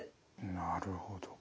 なるほど。